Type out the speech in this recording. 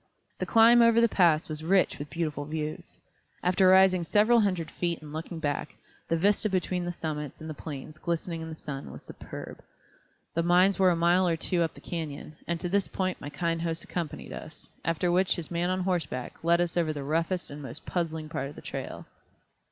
The climb over the pass was rich with beautiful views. After rising several hundred feet and looking back, the vista between the summits and the plains glistening in the sun was superb. The mines were a mile or two up the canyon, and to this point my kind host accompanied us, after which his man on horseback led us over the roughest and most puzzling part of the trail.